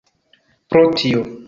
Pro tio.